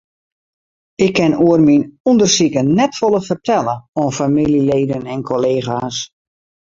Ik kin oer myn ûndersiken net folle fertelle oan famyljeleden en kollega's.